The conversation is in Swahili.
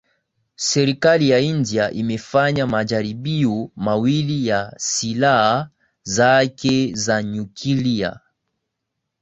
serikali ya india imefanya majaribio mawili ya silaha zake za nyuklia